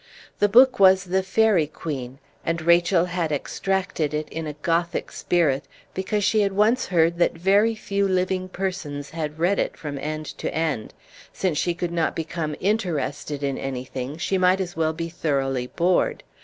The book was The Faerie Queene, and Rachel had extracted it in a Gothic spirit, because she had once heard that very few living persons had read it from end to end; since she could not become interested in anything, she might as well be thoroughly bored.